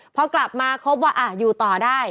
พอกลับมาเขาบอก